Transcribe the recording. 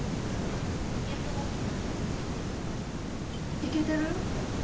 いけてる？